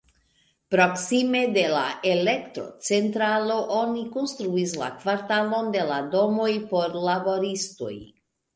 Proksime de la elektrocentralo oni konstruis la kvartalon de la domoj por laboristoj.